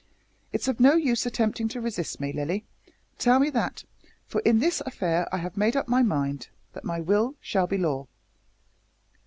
It's of no use attempting to resist me, Lilly tell them that for in this affair I have made up my mind that my will shall be law."